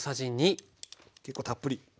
結構たっぷり。